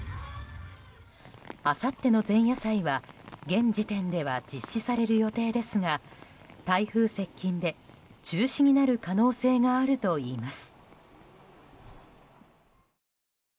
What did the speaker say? あさっての前夜祭は現時点では実施される予定ですが台風接近で中止になる可能性があるといいます。